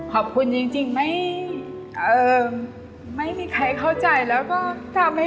พัฒน์ขอบคุณค่ะ